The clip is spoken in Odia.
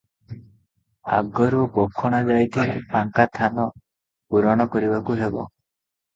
ଆଗରୁ ବଖଣାଯାଇଥିବା ଫାଙ୍କା ଥାନ ପୂରଣ କରିବାକୁ ହେବ ।